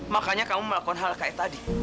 makanya kamu melakukan hal kayak tadi